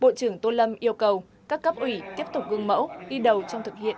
bộ trưởng tô lâm yêu cầu các cấp ủy tiếp tục gương mẫu đi đầu trong thực hiện